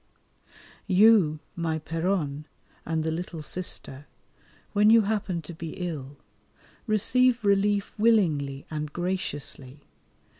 You, my Péronne, and the little Sister, when you happen to be ill, receive relief willingly and graciously.